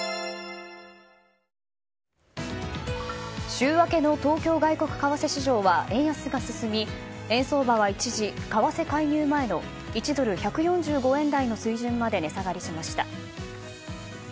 週明けの東京外国為替市場は円安が進み円相場は一時、為替介入前の１ドル＝１４５円台の水準まで値下がりしました。